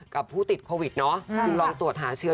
กับผู้ติดโควิดเนาะจึงลองตรวจหาเชื้อ